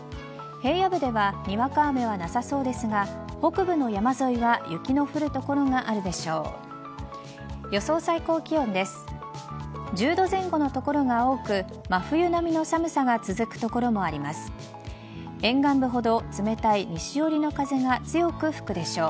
平野部ではにわか雨はなさそうですが北部の山沿いは雪の降る所があるでしょう。